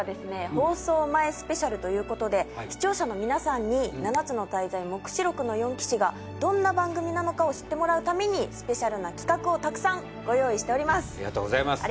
放送前スペシャルということで視聴者の皆さんに「七つの大罪黙示録の四騎士」がどんな番組なのかを知ってもらうためにスペシャルな企画をたくさんご用意しておりますありがとうございます